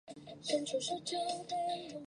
一项有关高分辨率单倍型。